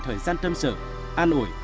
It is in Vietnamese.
thời gian tâm sự an ủi